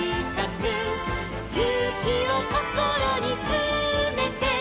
「ゆうきをこころにつめて」